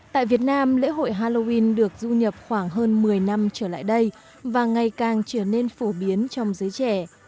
tại việt nam lễ hội halloween được du nhập khoảng hơn một mươi năm trở lại đây và ngày càng trở nên phổ biến trong giới trẻ